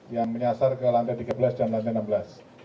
yang menyasar ke lantai tiga belas dan lantai enam belas